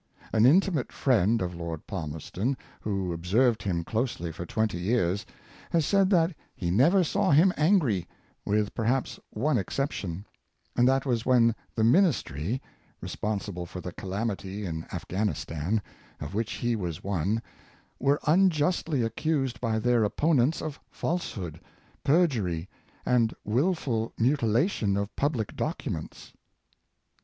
An intimate friend of Lord Palmer ston, who observed him closel}^ for twenty years, has said that he never saw him angry, with perhaps one exception; and that was when the Ministry, responsible for the calamity in Afghanistan, of which he was one, were unjustly accused by their opponents of falsehood, perjury, and willful mutilation of public documents.